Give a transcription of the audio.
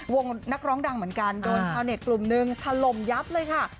นักร้องดังเหมือนกันโดนชาวเน็ตกลุ่มนึงถล่มยับเลยค่ะ